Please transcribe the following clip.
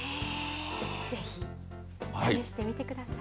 ぜひ試してみてください。